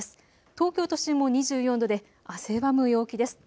東京都心も２４度で汗ばむ陽気です。